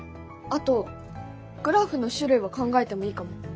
あとグラフの種類を考えてもいいかも。